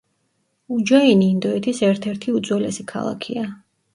უჯაინი ინდოეთის ერთ-ერთი უძველესი ქალაქია.